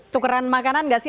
tukeran makanan gak sih